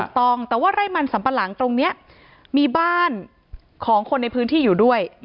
ต้องแต่ว่าไร่มันสัมปะหลังตรงนี้มีบ้านของคนในพื้นที่อยู่ด้วย